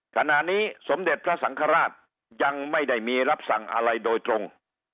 ขณะนี้สมเด็จพระสังฆราชยังไม่ได้มีรับสั่งอะไรโดยตรง